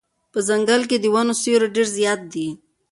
په ځنګل کې د ونو سیوری ډېر زیات دی.